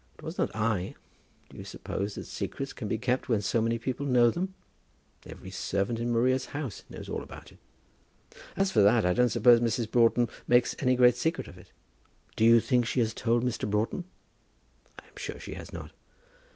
It was not I. Do you suppose that secrets can be kept when so many people know them? Every servant in Maria's house knows all about it." "As for that, I don't suppose Mrs. Broughton makes any great secret of it." "Do you think she has told Mr. Broughton? I am sure she has not.